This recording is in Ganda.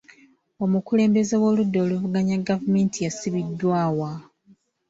Omukulembeze w'oludda oluvuganya gavumenti yasibiddwa wa?